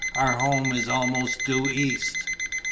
"Our home is almost due east."